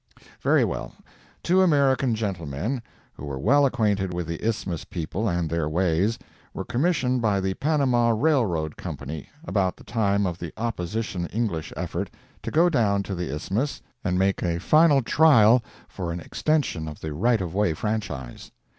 Very well; two American gentlemen, who were well acquainted with the Isthmus people and their ways, were commissioned by the Panama Railroad Company, about the time of the opposition English effort, to go down to the Isthmus and make a final trial for an extension of the right of way franchise.